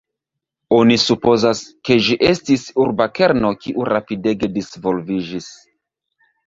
Oni supozas, ke ĝi estis urba kerno kiu rapidege disvolviĝis.